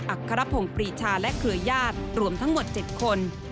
อัครพงศ์ปรีชาและเครือญาติรวมทั้งหมด๗คน